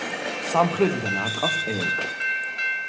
სამხრეთიდან არტყავს ტყეები.